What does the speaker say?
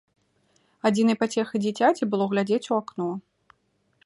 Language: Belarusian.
Адзінай пацехай дзіцяці было глядзець у акно.